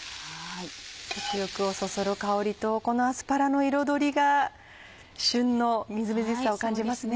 食欲をそそる香りとこのアスパラの彩りが旬のみずみずしさを感じますね。